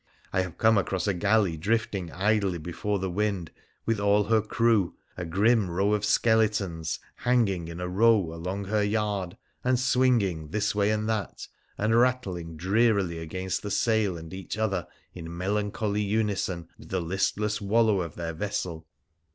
I have come across a galley drifting idly before the wind, with all her crew, a grim row of skeletons, hanging in a row along her yard and swinging this way and that, and rattling drearily against the sail and each other in melancholy unison with the listless wallow of their vessel.